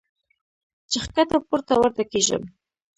چې ښکته پورته ورته کېږم -